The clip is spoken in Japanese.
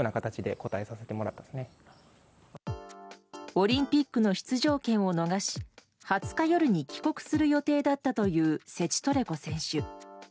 オリンピックの出場権を逃し２０日夜に帰国する予定だったというセチトレコ選手。